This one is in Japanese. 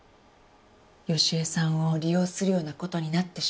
佳恵さんを利用するような事になってしまって。